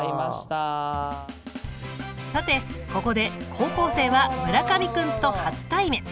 さてここで高校生は村上君と初対面。